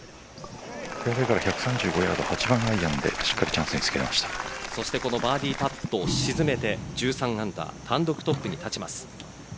１３５ヤード、８番アイアンでしっかりこのバーディーパットを沈めて１３アンダー単独トップに立ちます。